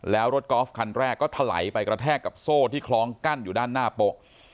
แล้วรถกอล์ฟคันแรกก็ถลายไปกระแทกกับโซ่ที่คล้องกั้นอยู่ด้านหน้าโป๊ะ